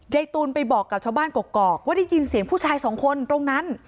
ยายตูนไปบอกกับชาวบ้านกรกว่าได้ยินเสียงผู้ชายสองคนตรงนั้น